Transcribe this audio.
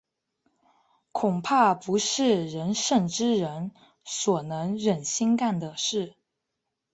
恐怕不是仁圣之人所能忍心干的事。